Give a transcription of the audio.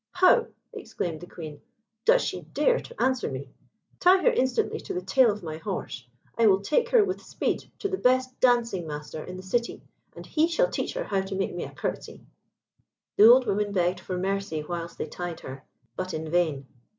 "How!" exclaimed the Queen; "does she dare to answer me? Tie her instantly to the tail of my horse. I will take her with speed to the best dancing master in the city, and he shall teach her how to make me a curtsey." The old woman begged for mercy whilst they tied her, but in vain.